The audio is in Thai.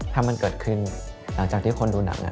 ถ้ามันเกิดขึ้นหลังจากที่คนดูหนัก